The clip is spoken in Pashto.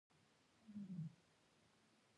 موټر زموږ د کور له درگاه سره ودرېد.